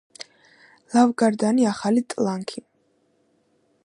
ლავგარდანი ახალია ტლანქი.